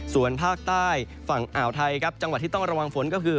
ส่วนภาคใต้ฝั่งอ่าวไทยครับจังหวัดที่ต้องระวังฝนก็คือ